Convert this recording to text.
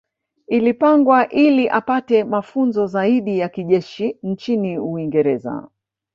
Ilipangwa ili apate mafunzo zaidi ya kijeshi nchini Uingereza